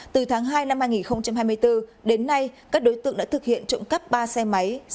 từ tháng hai năm hai nghìn hai mươi bốn đến nay các đối tượng đã thực hiện trộm cắp ba xe máy